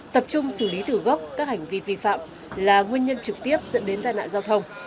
tập trung xử lý thử gốc các hành vi vi phạm là nguyên nhân trực tiếp dẫn đến tai nạn giao thông